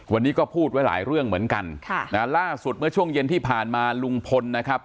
วันนี้ก็พูดไว้หลายเรื่องเหมือนกันค่ะนะล่าสุดเมื่อช่วงเย็นที่ผ่านมาลุงพลนะครับ